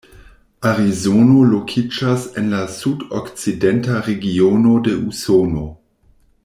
Arizono lokiĝas en la sudokcidenta regiono de Usono.